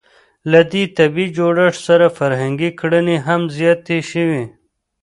له دې طبیعي جوړښت سره فرهنګي کړنې هم زیاتې شوې.